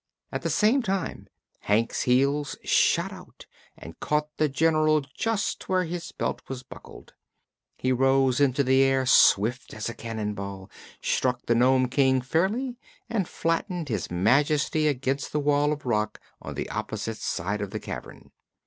At the same time Hank's heels shot out and caught the General just where his belt was buckled. He rose into the air swift as a cannon ball, struck the Nome King fairly and flattened his Majesty against the wall of rock on the opposite side of the cavern.